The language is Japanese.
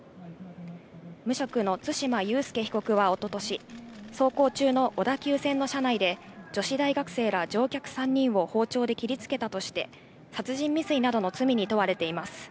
無職の対馬悠介被告はおととし、走行中の小田急線の車内で、女子大学生ら乗客３人を包丁で切りつけたとして、殺人未遂などの罪に問われています。